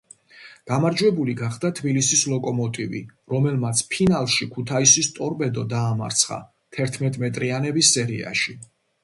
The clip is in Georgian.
გამარჯვებული გახდა თბილისის „ლოკომოტივი“, რომელმაც ფინალში ქუთაისის „ტორპედო“ დაამარცხა თერთმეტმეტრიანების სერიაში.